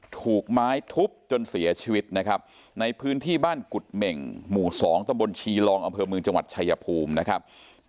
ถูกไม้ทุบจนเสียชีวิตนะครับในพื้นที่บ้านกุฎเหม่งหมู่๒ตะบนชีรองอำเภอเมืองจังหวัดชายภูมินะครับ